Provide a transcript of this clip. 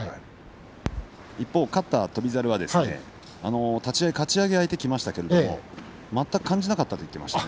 勝った翔猿は立ち合い、かち上げ相手きましたけれども全く感じなかったと言っていました。